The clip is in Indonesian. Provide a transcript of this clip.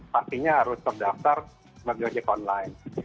pastinya harus terdaftar sebagai ojek online